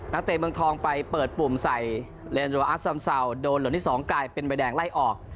นักเตรนเบื้องทองไปเปิดปุ่มใส่เรนโรออัสสำเสาโดนเหลือที่สองกลายเป็นใบแดงไล่ออก